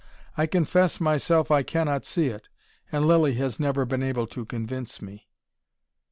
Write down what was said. I confess myself I cannot see it: and Lilly has never been able to convince me."